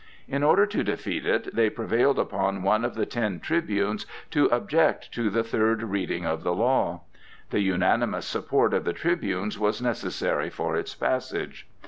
In order to defeat it they prevailed upon one of the ten tribunes to object to the third reading of the law. The unanimous support of the tribunes was necessary for its passage.